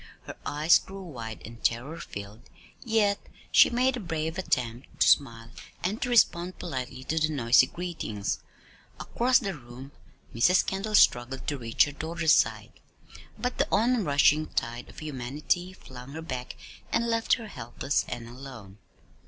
Her eyes grew wide and terror filled, yet she made a brave attempt to smile and to respond politely to the noisy greetings. Across the room Mrs. Kendall struggled to reach her daughter's side, but the onrushing tide of humanity flung her back and left her helpless and alone.